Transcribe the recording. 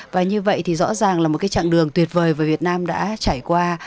và như vậy rõ ràng là một trạng đường tuyệt vời việt nam đã trải qua